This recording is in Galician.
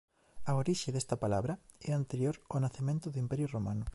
A orixe desta palabra é anterior ao nacemento do Imperio Romano.